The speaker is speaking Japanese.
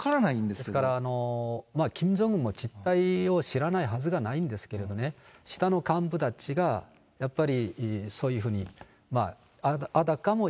ですから、キム・ジョンウンも実態を知らないはずがないんですけれどね、下の幹部たちが、やっぱりそういうふうに、あたかも